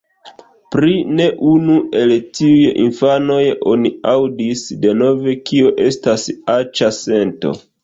Pri ne unu el tiuj infanoj oni aŭdis denove, kio estas aĉa sento.